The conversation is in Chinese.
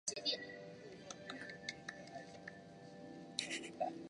录音室专辑精选专辑单曲现场录音专辑电影原声带致敬专辑合辑